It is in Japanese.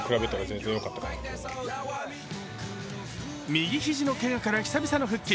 右肘のけがから久々の復帰。